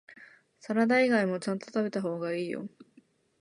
サラダ以外もちゃんと食べた方がいいよ